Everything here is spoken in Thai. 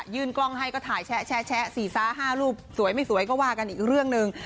ยืนกลางให้ก็ถ่ายแชะแชะแชะ๔๕รูปสวยไม่สวยก็ว่ากันอีกเรื่องนึง